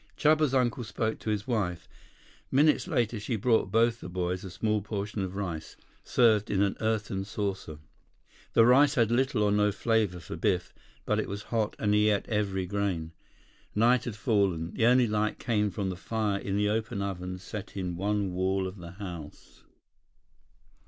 Chuba's uncle spoke to his wife. Minutes later she brought both the boys a small portion of rice, served in an earthen saucer. The rice had little or no flavor for Biff. But it was hot, and he ate every grain. Night had fallen. The only light came from the fire in the open oven set in one wall of the house.